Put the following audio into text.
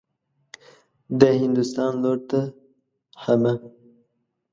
د هندوستان لور ته حمه.